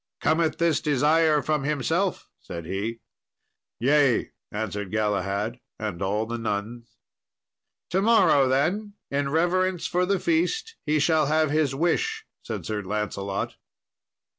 "Cometh this desire from himself?" said he. "Yea," answered Galahad and all the nuns. "To morrow, then, in reverence for the feast, he shall have his wish," said Sir Lancelot.